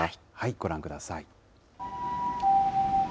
ご覧ください。